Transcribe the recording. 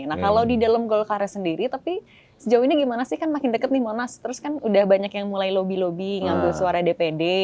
nah kalau di dalam golkar sendiri tapi sejauh ini gimana sih kan makin dekat nih monas terus kan udah banyak yang mulai lobby lobby ngambil suara dpd